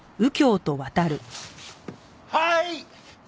はい！